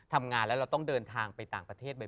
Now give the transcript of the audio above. พี่ยังไม่ได้เลิกแต่พี่ยังไม่ได้เลิก